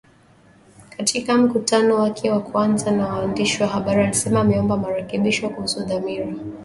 Katika mkutano wake wa kwanza na waandishi wa habari alisema ameomba marekebisho kuhusu dhamira ya kikosi chetu